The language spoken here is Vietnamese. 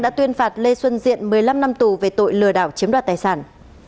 đã tuyên phạt lê xuân diện một mươi năm năm tù về tội lừa đảo chiếm đoạt tài sản